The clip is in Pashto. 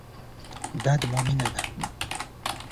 دا زما مينه ده